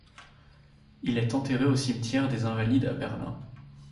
Il est enterré au cimetière des Invalides à Berlin.